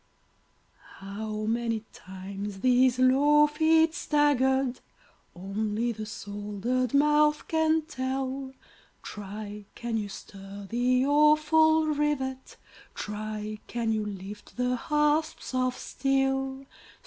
How many times these low feet staggered, Only the soldered mouth can tell; Try! can you stir the awful rivet? Try! can you lift the hasps of steel?